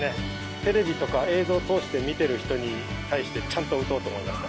テレビとか、映像を通して見てる人に対して、ちゃんと撃とうと思いました。